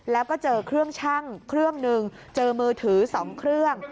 แล้วก็เจอเครื่องชั่งเครื่องหนึ่งเจอมือถือ๒เครื่อง